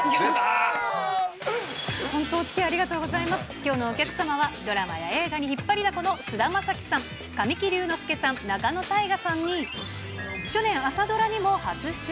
きょうのお客様は、ドラマや映画に引っ張りだこの菅田将暉さん、神木隆之介さん、仲野太賀さんに、去年、朝ドラにも初出演。